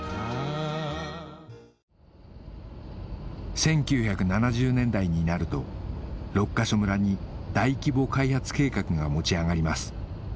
１９７０年代になると六ヶ所村に大規模開発計画が持ち上がります